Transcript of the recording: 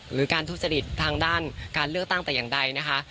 หรือการทุจริตทางด้านการเลือกตั้งแต่อย่างใดนะคะ